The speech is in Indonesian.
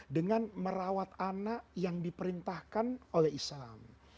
dengan merawat anak yang diperintahkan oleh islam